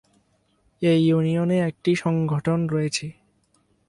এই ইউনিয়নে একটি সংগঠন রয়েছে।